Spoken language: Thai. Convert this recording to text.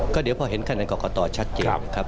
ก็เดี๋ยวพอเห็นคะแนนกรกตชัดเจนนะครับ